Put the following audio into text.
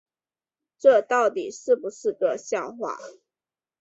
这到底是不是个笑话